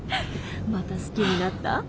また好きになった？